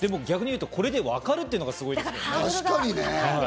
逆にいうと、これでわかるっていうのがすごいですね。